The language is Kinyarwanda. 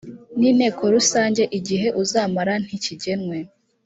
n inteko rusange igihe uzamara ntikigenwe